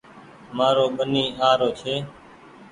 مآرو ٻني آ رو ڇي